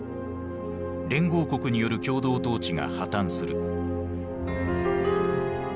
連合国による共同統治が破綻する。